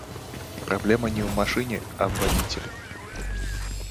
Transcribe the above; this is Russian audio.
Проблема не в машине, а в водителе.